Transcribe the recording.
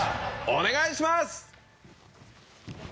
お願いします！